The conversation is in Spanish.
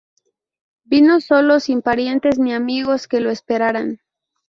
Vino solo, sin parientes ni amigos que lo esperaran.